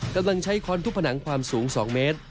กำลังใช้ค้อนทุกผนังความสูง๒เมตร